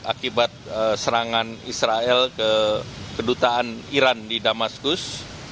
akibat serangan israel ke kedutaan iran di damaskus